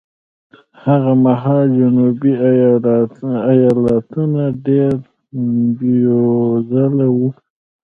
هغه مهال جنوبي ایالتونه ډېر بېوزله وو.